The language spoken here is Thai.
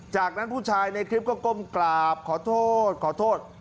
จากนั้นผู้ชายในคลิปก็ก้มกราบขอโทษขอโทษ